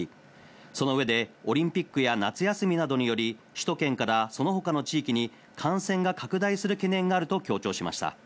その上でオリンピックや夏休みなどにより首都圏からその他の地域に感染が拡大する懸念があると強調しました。